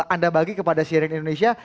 anda bagi kepada cnn indonesia